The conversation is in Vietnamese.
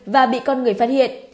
và bị con người phát hiện